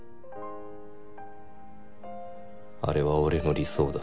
あれは俺の理想だ。